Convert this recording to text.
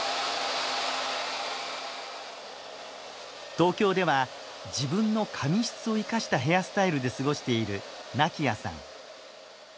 東京では自分の髪質を生かしたヘアスタイルで過ごしている菜希亜さん。